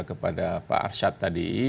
kepada pak arsyad tadi